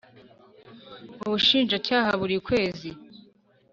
ubushinjacyaha buri kwezi